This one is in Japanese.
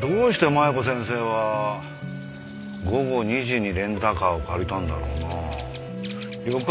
どうして麻弥子先生は午後２時にレンタカーを借りたんだろうなあ。